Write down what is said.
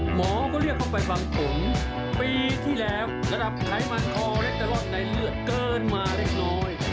หมอก็เรียกเข้าไปฟังผมปีที่แล้วระดับไขมันคอเรเตอรอนในเลือดเกินมาเล็กน้อย